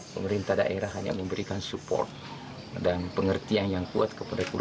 pemerintah daerah hanya memberikan support dan pengertian yang kuat kepada keluarga